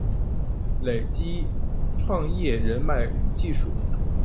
累积创业人脉与技术